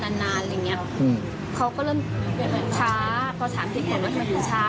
พอถามผิดควรว่าเหมือนถูกชา